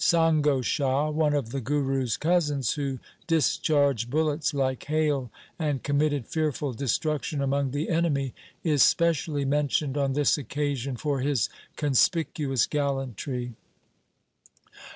Sango Shah, one of the Guru's cousins, who discharged bullets like hail and committed fearful destruction among the enemy, is specially mentioned on this occasion for his conspicuous gallantry.